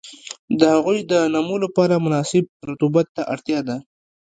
د هغوی د نمو لپاره مناسب رطوبت ته اړتیا ده.